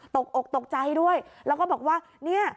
ตกอกตกใจด้วยแล้วก็บอกว่า